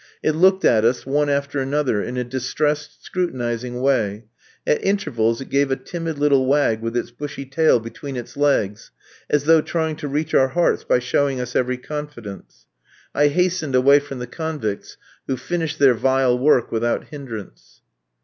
It looked at us one after another in a distressed, scrutinising way; at intervals it gave a timid little wag with its bushy tail between its legs, as though trying to reach our hearts by showing us every confidence. I hastened away from the convicts, who finished their vile work without hindrance.